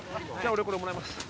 俺これもらいます